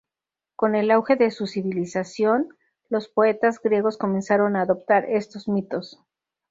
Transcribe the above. Con el auge de su civilización, los poetas griegos comenzaron a adoptar estos mitos.